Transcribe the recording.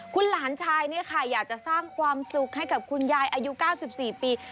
คุณหลานชายเนี่ยค่ะอยากจะสร้างความสุขให้กับคุณยายอายุ๙๔ปี